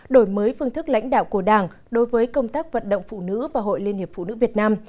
đổi mới phương thức lãnh đạo của đảng đối với công tác vận động phụ nữ và hội liên hiệp phụ nữ việt nam